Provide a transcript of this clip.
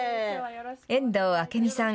遠藤明美さん